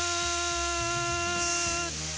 って